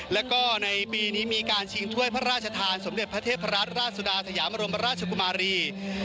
แล้วก็ในปีนี้มีการชิงถ้วยพระราชทานสมเด็จพระเทพราชสุดาสยามรมราชกุมารี